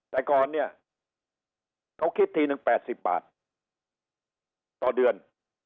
แต่ก่อนเนี่ยเขาคิดทีนึง๘๐บาทต่อเดือน